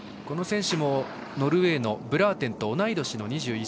この選手もノルウェーのブラーテンと同じ２１歳。